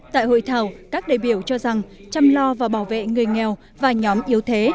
tại hội thảo các đại biểu cho rằng chăm lo và bảo vệ người nghèo và nhóm yếu thế